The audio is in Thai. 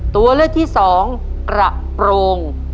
ตัวเลือกที่สองกระโปรง